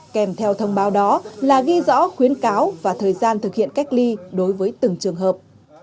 kèm theo thông báo đó là ghi rõ khuyến cáo và thời gian thực hiện cách ly đối với từng trường hợp